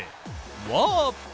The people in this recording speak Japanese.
ワープ！